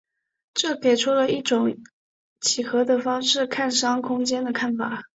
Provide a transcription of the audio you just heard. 这给出了以一种几何的方式看商空间的方法。